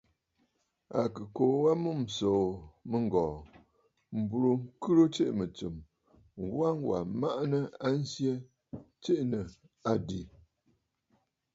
À kɨ kuu wa a mûm ǹsòò mɨ̂ŋgɔ̀ɔ̀ m̀burə ŋkhɨrə tsiʼì mɨ̀tsɨm, ŋwa wà maʼanə a nsyɛ tiʼì nɨ àdì.